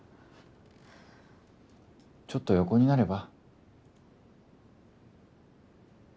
ちょっと横になれば？